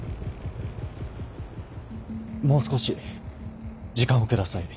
もう少し時間を下さい。